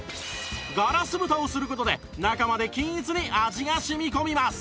ガラス蓋をする事で中まで均一に味が染み込みます